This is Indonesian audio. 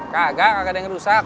kagak ada yang rusak